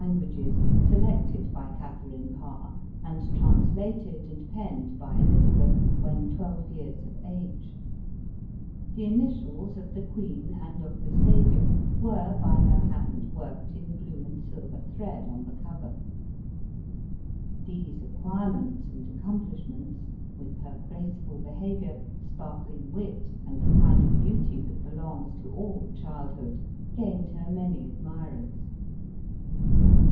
279 guages, selected by Kathcrine Parr, and translated and penned by Elizabeth, when twelve years of age ;— the initials of the queen and of the Saviour were by her hand worked in blue and silver thread, on the cover. These acquirements and accomplishments, with her graceful behavior, sparkling wit, and the kind of beauty that belongs to all childhood, gained her many admirers.